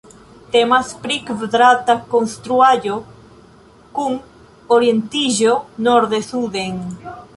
Temas pri kvadrata konstruaĵo kun orientiĝo norde-suden.